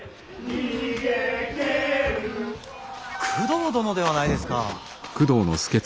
工藤殿ではないですか。